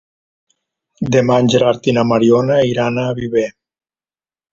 Demà en Gerard i na Mariona iran a Viver.